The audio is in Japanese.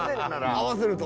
合わせると。